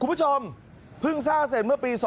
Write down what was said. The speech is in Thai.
คุณผู้ชมเพิ่งสร้างเสร็จเมื่อปี๒๕